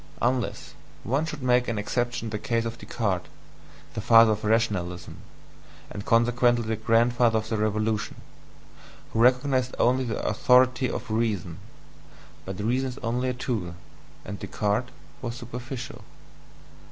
Unless one should make an exception in the case of Descartes, the father of rationalism (and consequently the grandfather of the Revolution), who recognized only the authority of reason: but reason is only a tool, and Descartes was superficial.